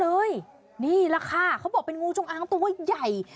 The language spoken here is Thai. นี่แหละค่ะเขาบอกเป็นงูจงอางตัวใหญ่